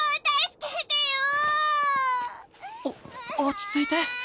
お落ち着いて。